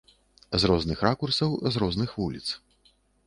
З розных ракурсаў, з розных вуліц.